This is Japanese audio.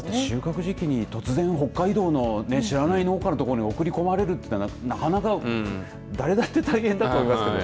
収穫時期に突然北海道の知らない農家のところに送り込まれるなんてなかなか、誰だって大変だと思います。